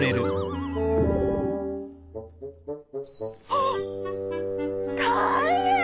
あったいへん！